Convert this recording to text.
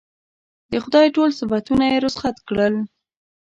د خدای ټول صفتونه یې رخصت کړل.